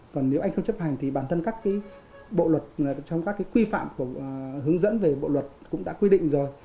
còn nếu anh không chấp hành thì bản thân các bộ luật trong các cái quy phạm hướng dẫn về bộ luật cũng đã quy định rồi